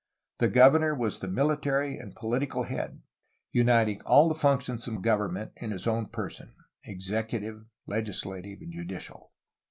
The governor was the military and political head, uniting all the functions of government in his own person — executive, legislative, and judicial.